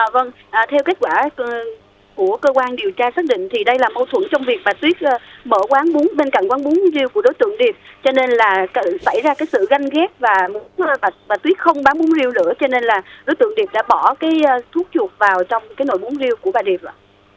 vâng theo kết quả của cơ quan điều tra xác định thì đây là mâu thuẫn trong việc bà tuyết mở quán bún bên cạnh quán bún riêu của đối tượng điệp cho nên là xảy ra sự ganh ghét và tuyết không bán bún riêu nữa cho nên là đối tượng điệp đã bỏ thuốc chuột vào trong nồi bún riêu của bà điệp ạ